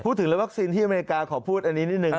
พูดถึงเรื่องวัคซีนที่อเมริกาขอพูดอันนี้นิดนึง